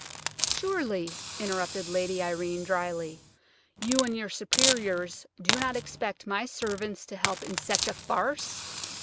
"Surely," interrupted Lady Irene, dryly, "you and your superiors do not expect my servants to help in such a farce?"